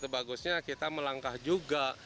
bagusnya kita melangkah juga